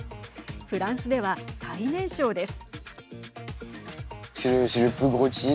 フランスでは最年少です。